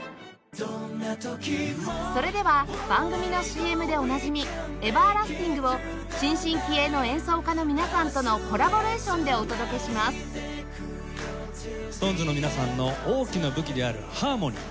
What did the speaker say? それでは番組の ＣＭ でおなじみ『Ｅｖｅｒｌａｓｔｉｎｇ』を新進気鋭の演奏家の皆さんとのコラボレーションでお届けしますＳｉｘＴＯＮＥＳ の皆さんの大きな武器であるハーモニー。